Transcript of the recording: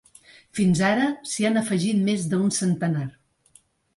Fins ara, s’hi han afegit més d’un centenar.